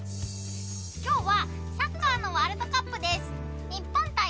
今日はサッカーのワールドカップです。